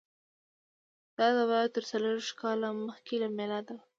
دا دوره تر څلور ویشت کاله مخکې له میلاده وه.